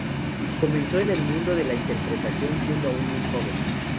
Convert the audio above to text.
Comenzó en el mundo de la interpretación siendo aun muy joven.